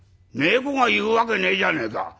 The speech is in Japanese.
「猫が言うわけねえじゃねえか。